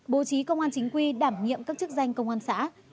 bố trí công an chính quy đảm nhiệm các chức danh công an xã